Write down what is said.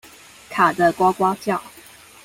卡得呱呱叫